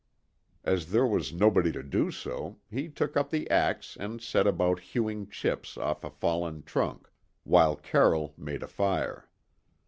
As there was nobody to do so, he took up the axe and set about hewing chips off a fallen trunk, while Carroll made a fire.